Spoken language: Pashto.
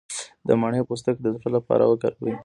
د مڼې پوستکی د زړه لپاره وکاروئ